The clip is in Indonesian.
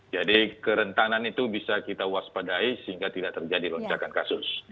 jadi kerentanan itu bisa kita waspadai sehingga tidak terjadi lonjakan kasus